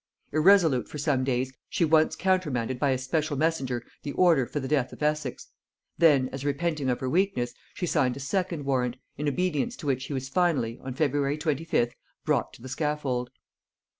Irresolute for some days, she once countermanded by a special messenger the order for the death of Essex; then, as repenting of her weakness, she signed a second warrant, in obedience to which he was finally, on February 25th, brought to the scaffold.